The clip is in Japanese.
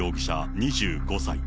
２５歳。